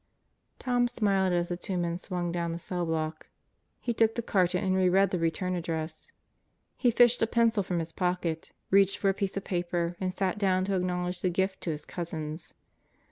Tom smiled as the two men swung down the cell block. He took the carton and reread the return address. He fished a pencil from his pocket, reached for a piece of paper, and sat down to acknowledge the gift to his cousins.